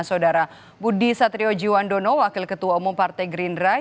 saudara budi satriojiwandono wakil ketua umum partai gerindra